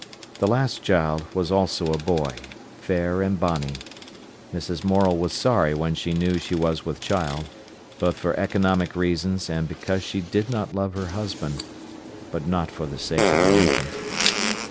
The last child was also a boy, fair and bonny. Mrs. Morel was sorry when she knew she was with child, both for economic reasons and because she did not love her husband; but not for the sake of the infant.